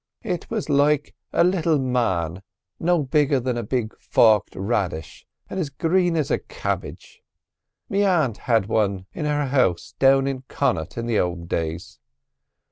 "It was like a little man no bigger than a big forked raddish, an' as green as a cabbidge. Me a'nt had one in her house down in Connaught in the ould days.